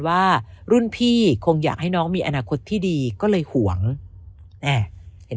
ว่ารุ่นพี่คงอยากให้น้องมีอนาคตที่ดีก็เลยห่วงเห็น